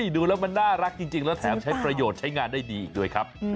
ดูแล้วมันน่ารักจริงแล้วแถมใช้ประโยชน์ใช้งานได้ดีอีกด้วยครับ